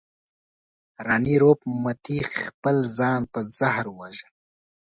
راني روپ متي خپل ځان په زهر وواژه.